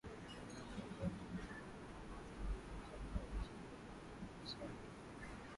mali na majengo ya Kanisa magazeti yake yalishambulia mafundisho ya dini